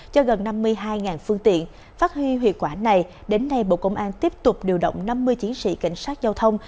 cho gần năm mươi hai phương tiện phát huy hiệu quả này đến nay bộ công an tiếp tục điều động năm mươi chiến sĩ cảnh sát giao thông